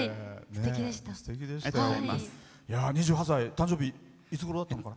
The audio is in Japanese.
誕生日いつごろだったのかな？